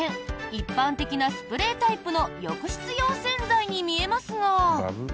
一般的なスプレータイプの浴室用洗剤に見えますが。